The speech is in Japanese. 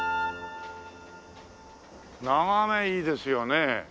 眺めいいですよね。